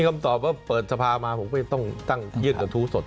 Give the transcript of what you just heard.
มาผมก็ไม่ต้องยืนละทู่สด